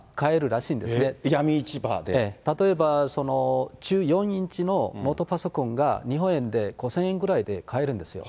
例えば１４インチのノートパソコンが日本円で５０００円ぐらいで買えるんですよ。